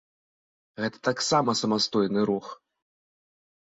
Гэта таксама самастойны рух!